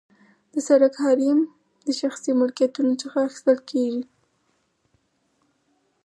د سرک حریم د شخصي ملکیتونو څخه اخیستل کیږي